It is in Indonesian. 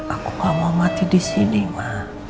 aku gak mau mati di sini mak